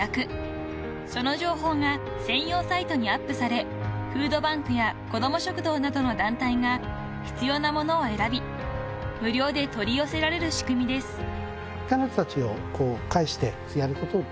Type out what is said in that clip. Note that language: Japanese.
［その情報が専用サイトにアップされフードバンクや子供食堂などの団体が必要なものを選び無料で取り寄せられる仕組みです］